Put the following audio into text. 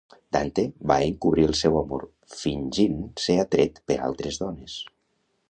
Dante va encobrir el seu amor fingint ser atret per altres dones.